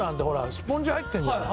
スポンジ入ってんじゃない？